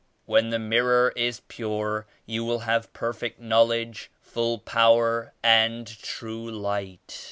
When the mirror is pure you will have perfect knowledge, full power and true Light.